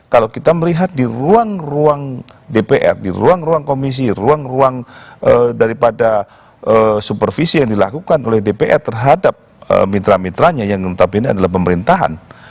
kalau kita melihat di ruang ruang dpr di ruang ruang komisi ruang ruang daripada supervisi yang dilakukan oleh dpr terhadap mitra mitranya yang notabene adalah pemerintahan